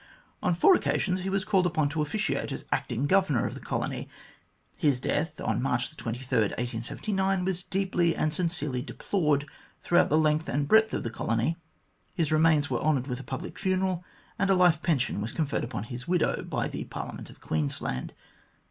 On four occasions he was called upon to officiate as Acting Governor of the colony. His death, on March 23, 1879, was deeply and sincerely deplored throughout the length and breadth of the colony; his remains were honoured with a public funeral, and a life pension was conferred upon his widow by the Parliament of Queensland.